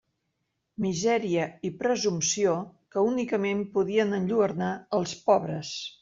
Misèria i presumpció que únicament podien enlluernar els pobres!